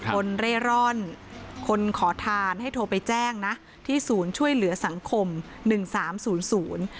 เร่ร่อนคนขอทานให้โทรไปแจ้งนะที่ศูนย์ช่วยเหลือสังคมหนึ่งสามศูนย์ศูนย์